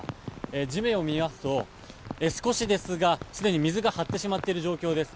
地面を見ますと、少しですがすでに水が張ってしまっている状況です。